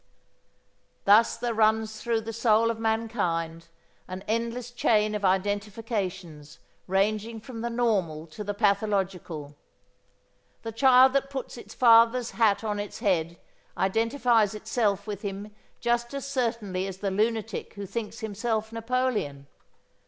Thus there runs through the soul of mankind an endless chain of identifications ranging from the normal to the pathological. The child that puts its father's hat on its head identifies itself with him just as certainly as the lunatic who thinks himself Napoleon.